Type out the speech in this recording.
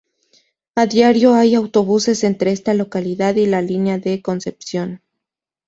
A diario hay autobuses entre esta localidad y La Línea de la Concepción.